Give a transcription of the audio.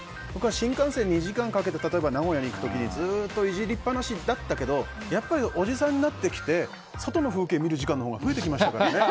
新幹線で例えば名古屋に行く時にずっといじりっぱなしだったけどやっぱりおじさんになってきて外の風景を見る時間のほうが増えてきましたから。